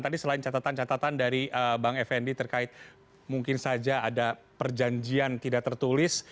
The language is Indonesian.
tadi selain catatan catatan dari bang effendi terkait mungkin saja ada perjanjian tidak tertulis